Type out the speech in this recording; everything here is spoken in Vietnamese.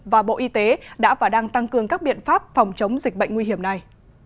và bộ y tế đã và đang tăng cường các biện pháp phòng chống dịch bệnh nguy hiểm này